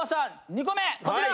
２個目こちら！